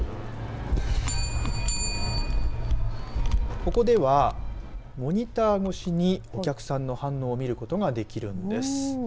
ここではモニター越しにお客さんの反応を見ることができるんです。